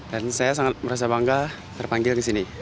dan saya sangat merasa bangga terpanggil ke sini